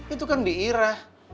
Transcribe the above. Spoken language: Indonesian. itu kan diira